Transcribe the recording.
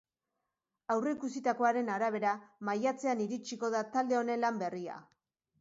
Aurreikusitakoaren arabera, maiatzean iritsiko da talde honen lan berria.